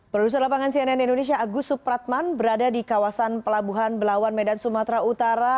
produser lapangan cnn indonesia agus supratman berada di kawasan pelabuhan belawan medan sumatera utara